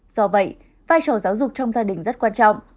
do vậy vai trò giáo dục trong gia đình rất quan trọng